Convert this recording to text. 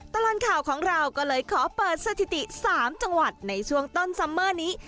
ตลอดข่าวของเราก็เลยขอเปิดสถิติ๓จังหวัดในช่วงต้นซัมเมอร์นี้